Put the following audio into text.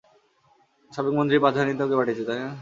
সাবেক মন্ত্রী পাঝানি তোকে পাঠিয়েছে, তাই না?